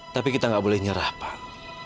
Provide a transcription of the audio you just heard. tapi kita nggak boleh nyerah pak